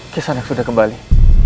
kesan yang sudah kembali